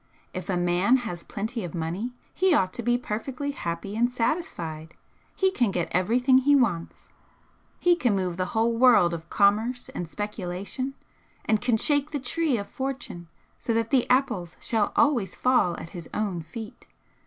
If a man has plenty of money he ought to be perfectly happy and satisfied, he can get everything he wants, he can move the whole world of commerce and speculation, and can shake the tree of Fortune so that the apples shall always fall at his own feet.